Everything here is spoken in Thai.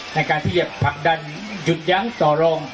ในการที่จะผลักดันหยุดยั้งต่อรอง